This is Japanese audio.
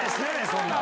そんなの。